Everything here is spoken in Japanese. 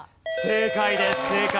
正解です。